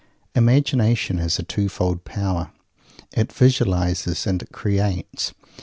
Imagination has a two fold power. It visualizes and it creates.